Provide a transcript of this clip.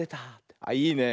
あっいいね。